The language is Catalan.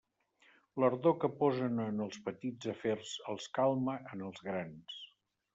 L'ardor que posen en els petits afers els calma en els grans.